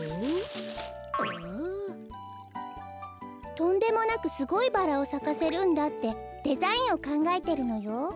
とんでもなくすごいバラをさかせるんだってデザインをかんがえてるのよ。